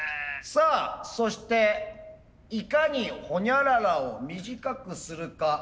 さあそしていかにほにゃららを短くするか。